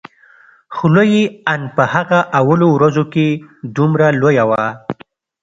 خوله يې ان په هغه اولو ورځو کښې دومره لويه وه.